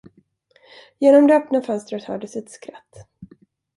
Genom det öppna fönstret hördes ett skratt.